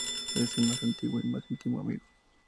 Es mi más antiguo y más íntimo amigo.